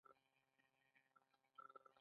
په بل قبر کې دوه سکلیټونه څنګ په څنګ ول.